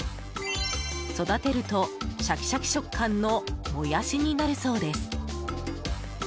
育てると、シャキシャキ食感のモヤシになるそうです。